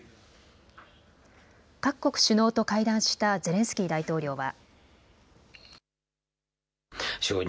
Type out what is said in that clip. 各国首脳と会談したゼレンスキー大統領は。